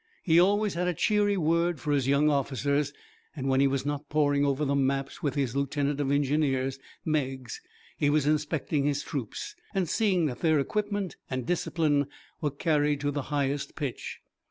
He always had a cheery word for his young officers, and when he was not poring over the maps with his lieutenant of engineers, Meigs, he was inspecting his troops, and seeing that their equipment and discipline were carried to the highest pitch.